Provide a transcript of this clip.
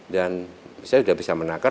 dan saya sudah bisa menangkap